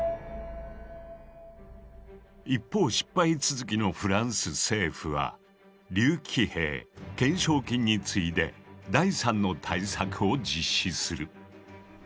一方失敗続きのフランス政府は竜騎兵懸賞金に次いで第３の対策を実施する。